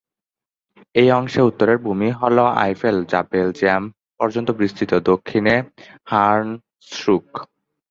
এই অংশে উত্তরের ভূমি হল আইফেল যা বেলজিয়াম পর্যন্ত বিস্তৃত; দক্ষিণে হানস্রুক।